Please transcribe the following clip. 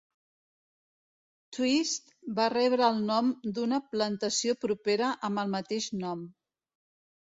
Twist va rebre el nom d'una plantació propera amb el mateix nom.